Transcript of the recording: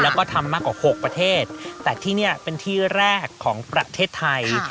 แล้วก็ทำมากกว่า๖ประเทศแต่ที่นี่เป็นที่แรกของประเทศไทย